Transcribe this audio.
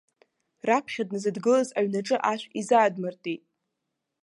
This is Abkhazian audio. Раԥхьа дназдгылаз аҩнаҿы ашә изаадмыртит.